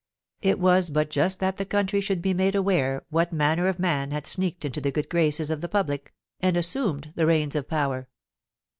It was but just that the country should be made aware what manner of man had sneaked into the good graces of the public, and assumed the reins of power.